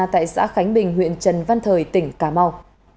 tại xã khánh bình huyện trần văn thời tỉnh cà mau